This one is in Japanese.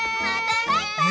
バイバーイ。